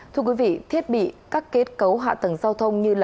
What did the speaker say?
thưa quý vị thiết bị các kết cấu hạ tầng giao thông như là